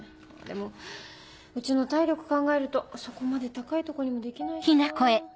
でもうちの体力考えるとそこまで高いとこにもできないしさ。